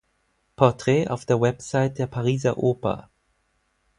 Porträt auf der Website der Pariser Oper